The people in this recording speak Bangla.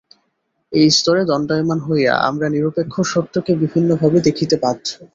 এই স্তরে দণ্ডায়মান হইয়া আমরা নিরপেক্ষ সত্যকে বিভিন্নভাবে দেখিতে বাধ্য।